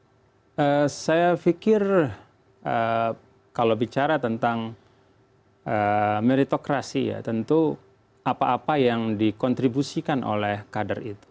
ya saya pikir kalau bicara tentang meritokrasi ya tentu apa apa yang dikontribusikan oleh kader itu